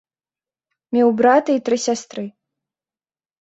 Меў брата й тры сястры.